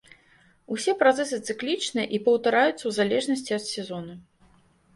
Усе працэсы цыклічныя і паўтараюцца ў залежнасці ад сезону.